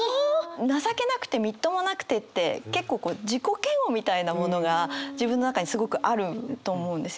情けなくてみっともなくてって結構こう自己嫌悪みたいなものが自分の中にすごくあると思うんですよ